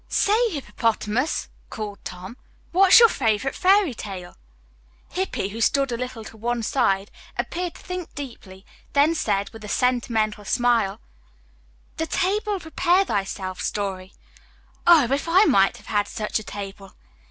"Say, Hippopotamus," called Tom, "what's your favorite fairy tale?" Hippy, who stood a little to one side, appeared to think deeply, then said with a sentimental smile: "The 'Table Prepare Thyself' story. Oh, if I might have had such a table!"